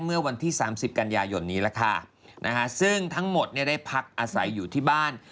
เมื่อวันที่๓๐กันยายนนี้แหละค่ะซึ่งทั้งหมดเนี่ยได้พักอาศัยอยู่ที่บ้าน